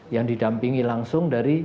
yang didampingi langsung dari